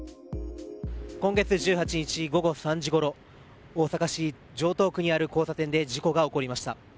今月１８日午後３時ごろ大阪市城東区にある交差点で事故が起こりました。